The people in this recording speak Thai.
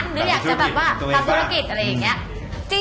หรืออยากจะแบบว่าทำธุรกิจอะไรอย่างนี้